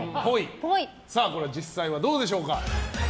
これは実際はどうでしょうか。